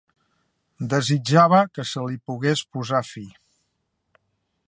Desitjava que se li pogués posar fi.